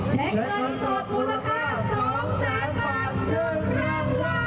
เช็คขวัญสดมูลค่า๒๐๐บาทรองวัน